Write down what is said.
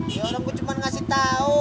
ya orang gue cuman ngasih tau